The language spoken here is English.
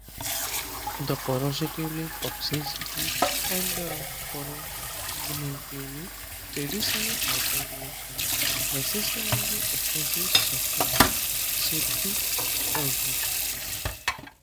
The corrosivity, toxicity, and carcinogeneity of traditional hypergolics necessitate expensive safety precautions.